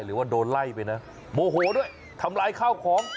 หรือว่าโดนไล่ไปนะโมโหด้วยทำร้ายข้าวของ